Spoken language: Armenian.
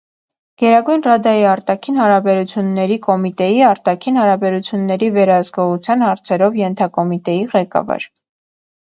Գերագույն ռադայի արտաքին հարաբերությունների կոմիտեի արտաքին հարաբերությունների վերահսկողության հարցերով ենթակոմիտեի ղեկավար։